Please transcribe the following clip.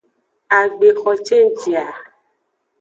Agbexo cenji a.